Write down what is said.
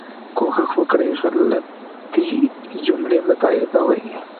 کوښښ وکړئ غلطي جملې مه تائیدوئ